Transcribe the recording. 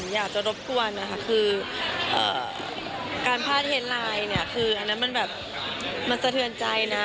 อยากจะรบกวนนะคะคือการพาดเฮดไลน์เนี่ยคืออันนั้นมันแบบมันสะเทือนใจนะ